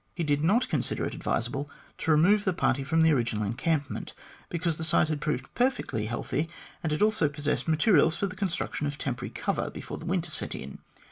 He did not consider it advisable to remove the party from the original encampment, because the site had proved perfectly healthy, and it also possessed materials for the construction of temporary cover before the winter set in.